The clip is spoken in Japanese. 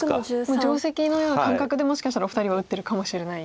もう定石のような感覚でもしかしたらお二人は打ってるかもしれない。